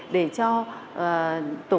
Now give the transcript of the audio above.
để cho tổ quốc ta tươi đẹp